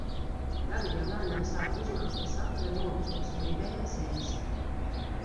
Tagad jau lēnām sāka uzmākties vakara nogurums un gribējās ēst.